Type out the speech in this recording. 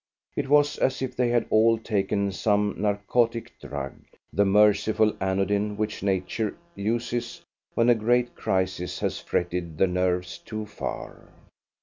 It was as if they had all taken some narcotic drug the merciful anodyne which Nature uses when a great crisis has fretted the nerves too far.